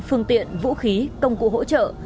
phương tiện vũ khí công cụ hỗ trợ